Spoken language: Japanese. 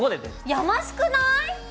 やましくない。